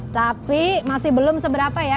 tapi masih belum seberapa ya